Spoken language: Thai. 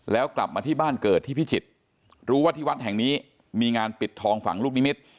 แล้วกลับมาที่บ้านเกิดที่พิจิตรรู้ว่าที่วัดแห่งนี้มีงานปิดทองฝังลูกนิมิตร